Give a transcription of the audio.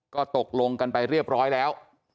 ก็ตกลงกันไปเรียบร้อยแล้ว